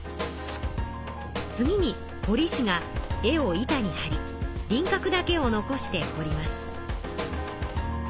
次にほり師が絵を板にはり輪かくだけを残してほります。